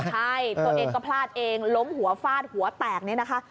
ใช่ตัวเองก็พลาดเองล้มหัวฟาดหัวแตกเนี่ยนะคะ